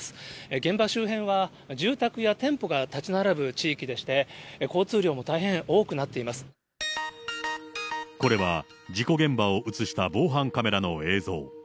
現場周辺は住宅や店舗が建ち並ぶ地域でして、これは、事故現場を写した防犯カメラの映像。